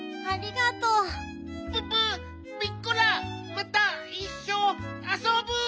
またいっしょあそぶ！